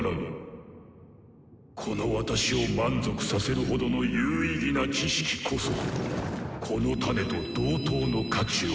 この私を満足させるほどの有意義な知識こそこのタネと同等の価値を持つのだ。